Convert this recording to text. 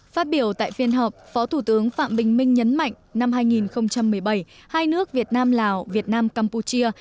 phát biểu tại phiên họp phó thủ tướng phạm bình minh nhấn mạnh năm hai nghìn một mươi bảy hai nước việt nam lào việt nam campuchia